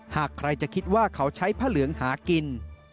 หากใครจะคิดว่าเขาใช้ผ้าเหลืองหากิน